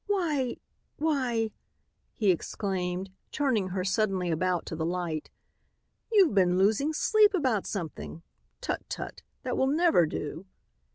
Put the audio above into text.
Why! Why!" he exclaimed, turning her suddenly about to the light, "you've been losing sleep about something. Tut! Tut! That will never do."